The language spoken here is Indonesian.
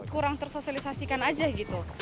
kurang tersosialisasikan aja gitu